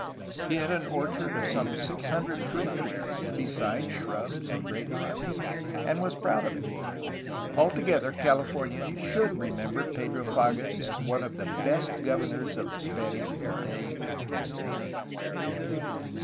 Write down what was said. He had an orchard of some six hundred fruit trees, besides shrubs and grape vines, and was proud of it. Altogether, Califomians should remember Pedro Fages as one of the best governors of the Spanish era.